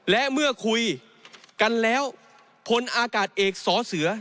และเมื่อคุยกันแล้วพลอากาศเอกสอเสือ